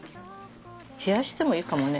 冷やしてもいいかもね。